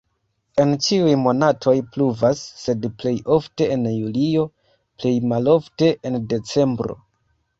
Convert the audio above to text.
En ĉiuj monatoj pluvas, sed plej ofte en julio, plej malofte en decembro.